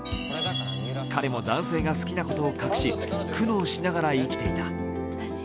彼も男性が好きなことを隠し、苦悩しながら生きていた。